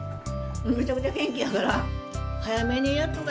めちゃくちゃ元気やから、早めにやっとか